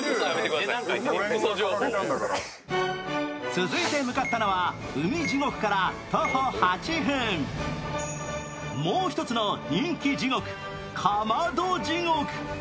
続いて向かったのは、海地獄から徒歩８分、もう１つの人気地獄、かまど地獄。